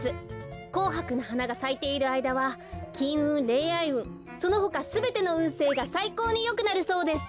こうはくの花がさいているあいだはきんうんれんあいうんそのほかすべてのうんせいがさいこうによくなるそうです。